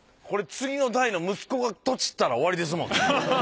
これ次の代の息子がとちったら終わりですもんね。